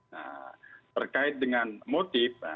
nah terkait dengan motif